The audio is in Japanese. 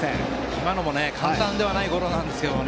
今のも簡単ではないゴロなんですよね。